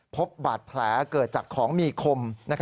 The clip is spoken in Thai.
พบบาดแผลเกิดจากของมีคม